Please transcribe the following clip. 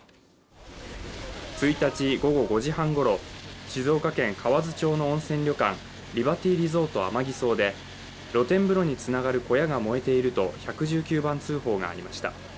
１日午後５時半ごろ、静岡県河津町の温泉旅館リバティリゾートＡＭＡＧＩＳＯで露天風呂につながる小屋が燃えていると１１９番通報がありました。